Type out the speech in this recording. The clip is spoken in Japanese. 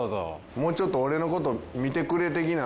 もうちょっと俺の事見てくれ的な。